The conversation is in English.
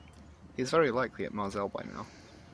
He is very likely at Marseille by now.